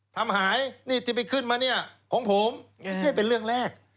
ทำหายนี่ที่ไปขึ้นมาเนี่ยของผมไม่ใช่เป็นเรื่องแรก